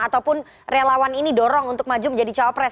ataupun relawan ini dorong untuk maju menjadi cawapres